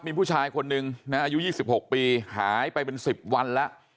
มีผู้ชายคนนึงนะอายุยี่สิบหกปีหายไปเป็นสิบวันแล้ว